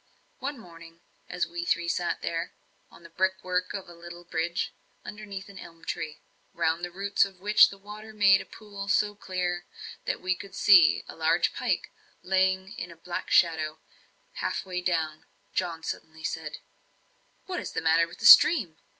One morning, as we three sat there, on the brick work of a little bridge, underneath an elm tree, round the roots of which the water made a pool so clear, that we could see a large pike lying like a black shadow, half way down; John suddenly said: "What is the matter with the stream?